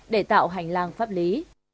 để tạo hành lang pháp lý